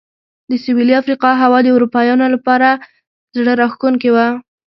د سوېلي افریقا هوا د اروپایانو لپاره زړه راښکونکې وه.